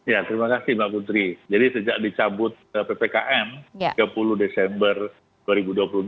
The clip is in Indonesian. ya terima kasih mbak putri